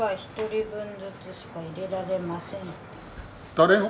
誰の？